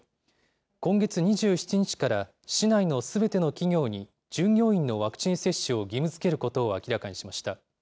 今月２７日から、市内のすべての企業に、従業員のワクチン接種を義務づけることを明らかにしました。